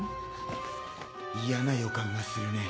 嫌な予感がするね。